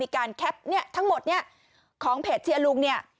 แคปเนี่ยทั้งหมดเนี่ยของเพจเชียร์ลุงเนี่ย